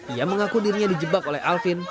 ia mengaku dirinya dijebak oleh alvin